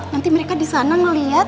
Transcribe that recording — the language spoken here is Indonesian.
nanti mereka disana ngeliat